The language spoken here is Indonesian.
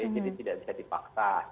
jadi tidak bisa dipaksa